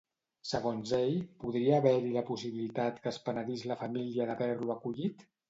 Segons ell, podria haver-hi la possibilitat que es penedís la família d'haver-lo acollit?